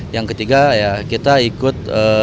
yang ketiga ya kita ikut